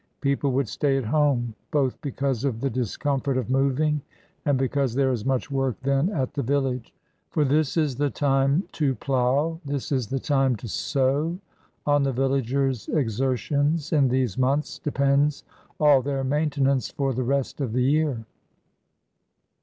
People would stay at home, both because of the discomfort of moving, and because there is much work then at the village. For this is the time to plough, this is the time to sow; on the villagers' exertions in these months depends all their maintenance for the rest of the year.